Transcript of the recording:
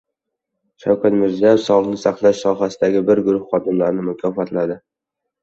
Shavkat Mirziyoyev sog‘liqni saqlash sohasidagi bir guruh xodimlarni mukofotladi